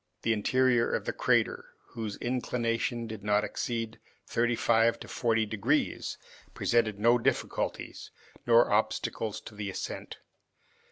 The interior of the crater, whose inclination did not exceed thirty five to forty degrees, presented no difficulties nor obstacles to the ascent.